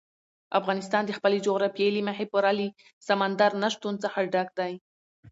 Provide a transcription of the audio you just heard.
افغانستان د خپلې جغرافیې له مخې پوره له سمندر نه شتون څخه ډک دی.